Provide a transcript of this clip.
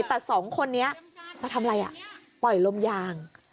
แต่สองคนนี้มาทำอะไรปล่อยลมยาง